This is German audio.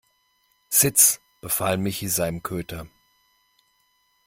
Sitz!, befahl Michi seinem Köter.